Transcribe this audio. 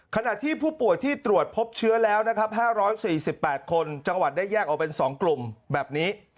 ขณะที่ผู้ป่วยที่ตรวจพบเชื้อแล้วนะครับ๕๔๘คนจังหวัดได้แยกออกเป็น๒กลุ่มแบบนี้